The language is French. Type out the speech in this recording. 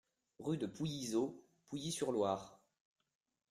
Rue de Pouillyzot, Pouilly-sur-Loire